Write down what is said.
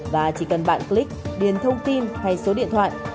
và chỉ cần bạn click điền thông tin hay số điện thoại